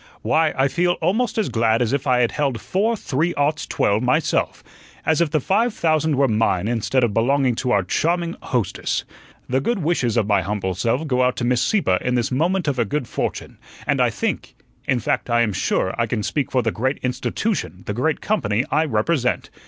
Why, I feel almost as glad as if I had held four three oughts twelve myself; as if the five thousand were mine instead of belonging to our charming hostess. The good wishes of my humble self go out to Miss Sieppe in this moment of her good fortune, and I think in fact, I am sure I can speak for the great institution, the great company I represent.